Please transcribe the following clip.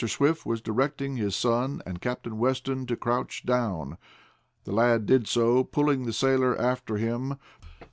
Swift was directing his son and Captain Weston to crouch down. The lad did so, pulling the sailor after him.